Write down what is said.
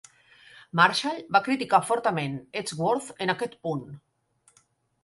Marshall va criticar fortament Edgeworth en aquest punt.